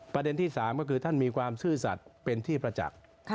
ประเด็นที่๓ก็คือท่านมีความซื่อสัตว์เป็นที่ประจักษ์